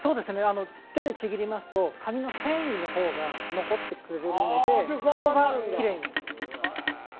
手でちぎりますと紙の繊維のほうが残ってくるのできれいに。